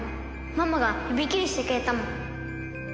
ママが指切りしてくれたもん。